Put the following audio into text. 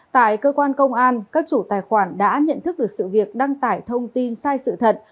tại cơ quan công an các chủ tài khoản đã nhận thức được sự việc đăng tải thông tin sai sự thật